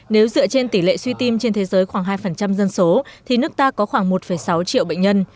nếu dựa trên tỷ lệ suy tim trên thế giới khoảng hai dân số thì nước ta có khoảng một sáu triệu bệnh nhân